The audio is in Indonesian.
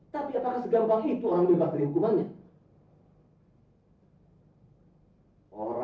tapi apakah segampang itu orang yang memakai hukumannya